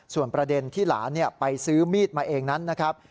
ส่วนประเด็นที่หลานไปซื้อมีดมาเองนั้นนะครับ